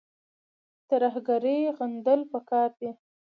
ترهګري غندل پکار دي